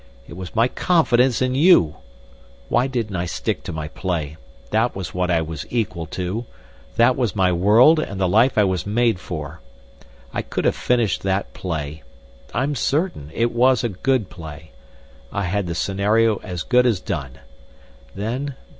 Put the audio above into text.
It was my confidence in you! Why didn't I stick to my play? That was what I was equal to. That was my world and the life I was made for. I could have finished that play. I'm certain ... it was a good play. I had the scenario as good as done. Then....